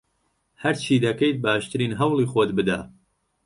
هەرچی دەکەیت، باشترین هەوڵی خۆت بدە.